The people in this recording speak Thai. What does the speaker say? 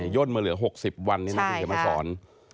ย่นมาเหลือ๖๐วันก็มีเทปมันสอน